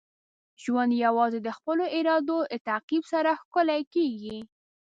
ژوند یوازې د خپلو ارادو د تعقیب سره ښکلی کیږي.